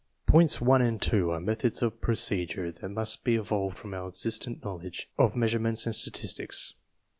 Points 1 and 2 are methods of procedure that must be evolved from our existent knowledge of measure ments and statistics.